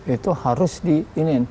itu harus di